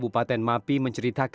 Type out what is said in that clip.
menceritakan tentang penyelidikan nkri